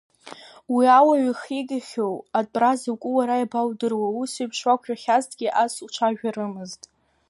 Уи ауаҩ ихигахьоу атәра закәу уара иабаудыруеи, усеиԥш уақәшәахьазҭгьы ас уцәажәарымызт.